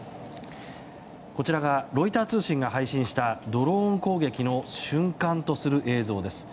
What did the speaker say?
こちらがロイター通信が配信したドローン攻撃の瞬間とする映像です。